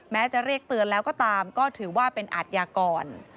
แม้จะเรียกเตือนแล้วก็ตามก็ถือว่าเป็นอาทยากร